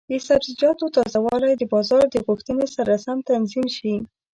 د سبزیجاتو تازه والی د بازار د غوښتنې سره سم تنظیم شي.